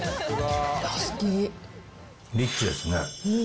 リッチですね。